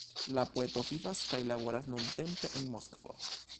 La poeto vivas kaj laboras nuntempe en Moskvo.